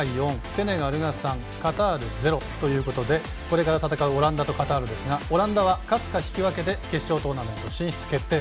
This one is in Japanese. セネガルが３カタール０ということでこれから戦うオランダとカタールですがオランダは勝つか引き分けで決勝トーナメント進出決定。